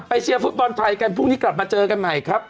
เชียร์ฟุตบอลไทยกันพรุ่งนี้กลับมาเจอกันใหม่ครับ